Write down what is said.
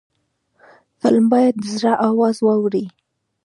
فلم باید د زړه آواز واوري